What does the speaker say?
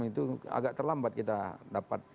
itu agak terlambat kita dapat